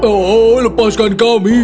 oh lepaskan kami